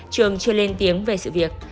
trường chưa lên tiếng về sự việc